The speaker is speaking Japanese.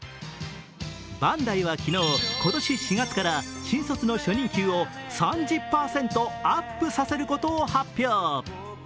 バンダイは昨日、今年４月から新卒の初任給を３０％アップさせることを発表。